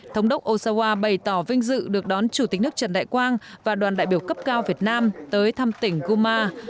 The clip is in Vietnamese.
thống đốc osawa bày tỏ vinh dự được đón chủ tịch nước trần đại quang và đoàn đại biểu cấp cao việt nam tới thăm tỉnh guma